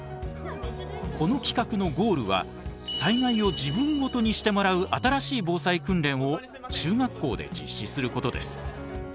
この企画のゴールは災害を自分ごとにしてもらう新しい防災訓練を中学校で実施することです。